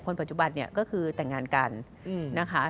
ปัจจุบันเนี่ยก็คือแต่งงานกันนะคะ